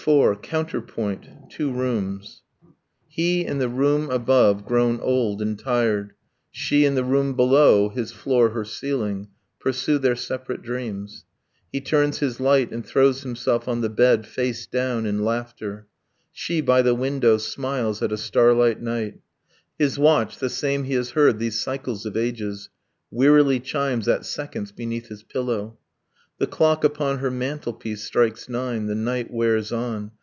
COUNTERPOINT: TWO ROOMS He, in the room above, grown old and tired, She, in the room below his floor her ceiling Pursue their separate dreams. He turns his light, And throws himself on the bed, face down, in laughter. ... She, by the window, smiles at a starlight night, His watch the same he has heard these cycles of ages Wearily chimes at seconds beneath his pillow. The clock, upon her mantelpiece, strikes nine. The night wears on.